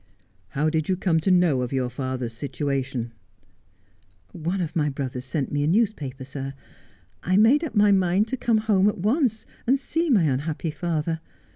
' How did you come to know of your father's situation V 1 One of my brothers sent me a newspaper, sir. I made up my mind to come home at once, and see my unhappy father.